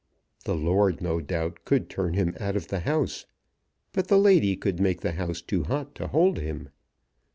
The lord, no doubt, could turn him out of the house, but the lady could make the house too hot to hold him.